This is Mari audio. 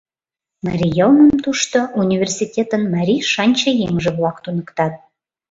— Марий йылмым тушто университетын марий шанчыеҥже-влак туныктат.